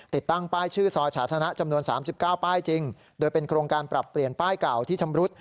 ติดตั้งป้ายชื่อซอยสาธารณะจำนวน๓๙ป้ายจริงโดยเป็นโครงการปรับเปลี่ยนป้ายเก่าที่ชำรุด